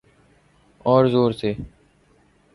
أور زور سے۔